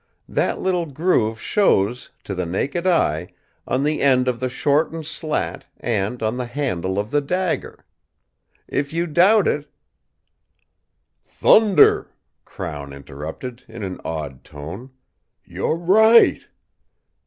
That little groove shows, to the naked eye, on the end of the shortened slat and on the handle of the dagger. If you doubt it " "Thunder!" Crown interrupted, in an awed tone. "You're right!"